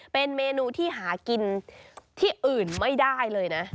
เป็นเมนูที่หากินที่อื่นไม่ได้เลยนะ